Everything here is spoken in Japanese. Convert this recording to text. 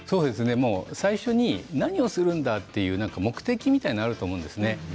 最初に何をするんだという目的みたいなものがあると思うんですね。